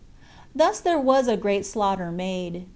Thus there was a great slaughter made.